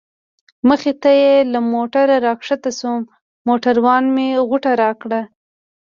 مخې ته یې له موټره را کښته شوم، موټروان مې غوټه راکړه.